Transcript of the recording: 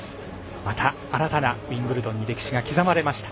また新たなウィンブルドンの歴史が刻まれました。